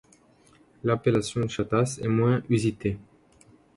L' appellation Chattas est moins usitée.